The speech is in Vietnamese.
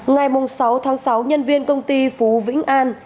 ngày sáu tháng sáu nhân viên công ty phú vĩnh an